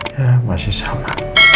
ya masih sama